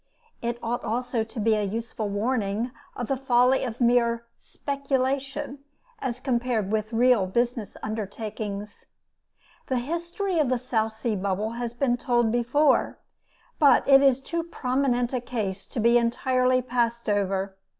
It ought also to be a useful warning of the folly of mere "speculation," as compared with real "business undertakings." The history of the South Sea Bubble has been told, before, but it is too prominent a case to be entirely passed over.